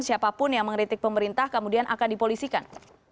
siapapun yang mengkritik pemerintah kemudian akan dipolisikan